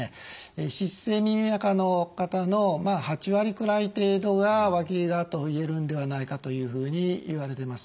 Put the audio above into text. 湿性耳あかの方の８割くらい程度がわきがと言えるんではないかというふうにいわれてます。